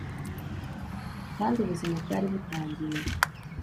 kandi ubuzima bwari butangiye